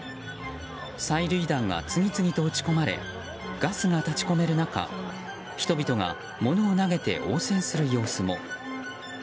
催涙弾が次々と撃ち込まれガスが立ち込める中人々が物を投げて応戦する様子も。